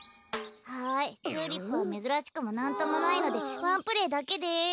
はいチューリップはめずらしくもなんともないのでワンプレーだけです。